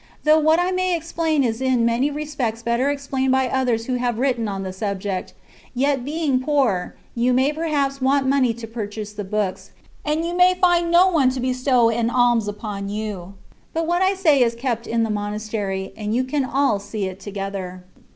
Though what I may explain is in many respects better explained by others who have written on the subject ; yet being poor, you may perhaps want money to pur chase the books, and you may find no one to bestow an alms upon you; but what I say is kept in the monastery, and you can all see it together.